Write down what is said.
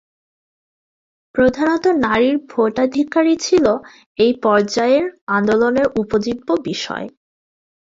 প্রধানত নারীর ভোটাধিকার-ই ছিল এই পর্যায়ের আন্দোলনের উপজীব্য বিষয়।